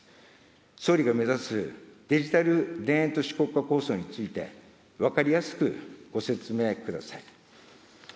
総理が目指すデジタル田園都市国家構想について、分かりやすくご説明ください。